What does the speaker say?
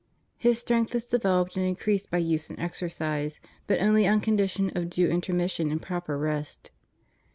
His strength is developed and increased by use and exercise, but only on condition of due intermission and proper rest.